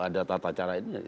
ada tata caranya